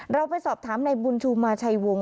เราไปสอบถามในบุญชูมาชัยวงศ